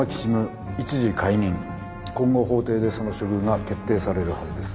今後法廷でその処遇が決定されるはずです。